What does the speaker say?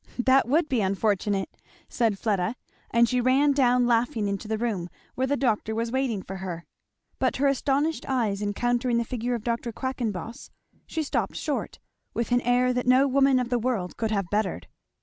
"That would be unfortunate!" said Fleda, and she ran down laughing into the room where the doctor was waiting for her; but her astonished eyes encountering the figure of Dr. Quackenboss she stopped short, with an air that no woman of the world could have bettered.